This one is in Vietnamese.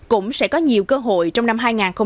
cũng sẽ có nhiều cơ hội trong năm hai nghìn hai mươi